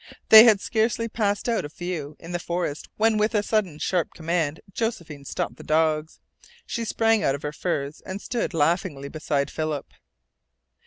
They had scarcely passed out of view in the forest when with a sudden sharp command Josephine stopped the dogs. She sprang out of her furs and stood laughingly beside Philip.